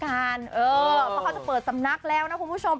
เพราะเขาจะเปิดสำนักแล้วนะคุณผู้ชม